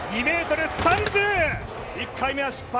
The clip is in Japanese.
２ｍ３０、１回目は失敗。